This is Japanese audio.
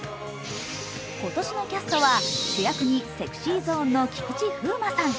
今年のキャストは、主役にＳｅｘｙＺｏｎｅの菊池風磨さん